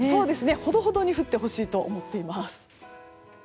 ほどほどに降ってほしいと思っています。